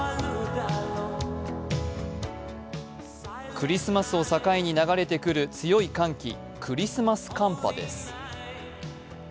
クリスマスを境に流れてくる強い寒気、クリスマス寒波です。